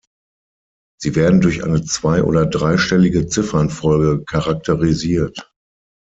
Sie werden durch eine zwei- oder dreistellige Ziffernfolge charakterisiert.